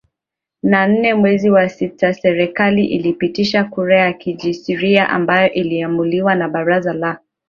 na nne mwezi wa sitaserikali ilipitisha kura ya kijasiri ambayo iliamuliwa na baraza la